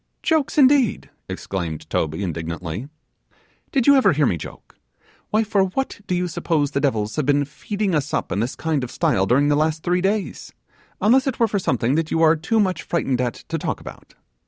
'Jokes, indeed?' exclaimed Toby indignantly. 'Did you ever hear me joke? Why, for what do you suppose the devils have been feeding us up in this kind of style during the last three days, unless it were for something that you are too much frightened at to talk about?